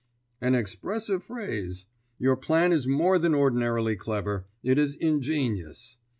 "An expressive phrase. Your plan is more than ordinarily clever; it is ingenious.